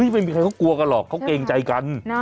ไม่มีใครเขากลัวกันหรอกเขาเกรงใจกัน